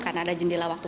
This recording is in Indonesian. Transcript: karena ada jendela waktu